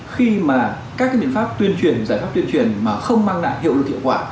khi mà các biện pháp tuyên truyền giải pháp tuyên truyền mà không mang lại hiệu lực hiệu quả